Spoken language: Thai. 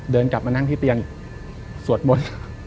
เดินกลับมานั่งที่เตียงสวดมนต์